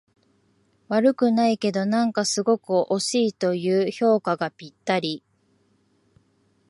悪くないけど、なんかすごく惜しいという評価がぴったり